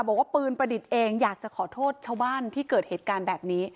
บอกว่าปืนประดิษฐ์เองอยากจะขอโทษชาวบ้านที่เกิดเหตุการณ์แบบนี้